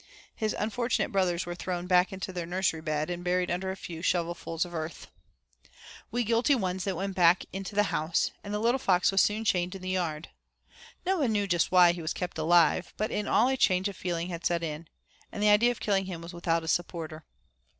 His unfortunate brothers were thrown back into their nursery bed, and buried under a few shovelfuls of earth. We guilty ones then went back into the house, and the little fox was soon chained in the yard. No one knew just why he was kept alive, but in all a change of feeling had set in, and the idea of killing him was without a supporter.